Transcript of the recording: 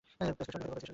Prescription লিখে দেব?